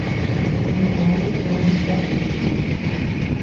Antônio Torres da Silva